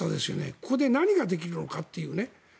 ここで何ができるのかという。